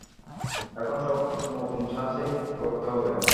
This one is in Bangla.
এখন সব নূতন ছাঁচে গড়তে হবে।